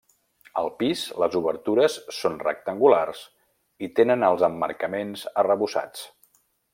Al pis, les obertures són rectangulars i tenen els emmarcaments arrebossats.